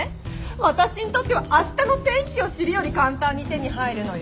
私にとってはあしたの天気を知るより簡単に手に入るのよ。